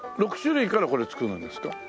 ６種類からこれ作るんですか？